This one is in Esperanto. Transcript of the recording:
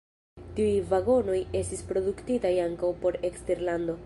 Tiuj vagonoj estis produktitaj ankaŭ por eksterlando.